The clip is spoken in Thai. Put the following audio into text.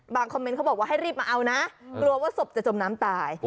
คอมเมนต์เขาบอกว่าให้รีบมาเอานะกลัวว่าศพจะจมน้ำตาย